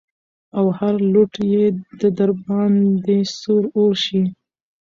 او هر لوټ يې د درباندې سور اور شي.